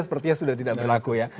sepertinya sudah tidak berlaku ya